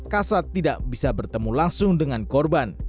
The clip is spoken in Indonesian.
kasat tidak bisa bertemu langsung dengan korban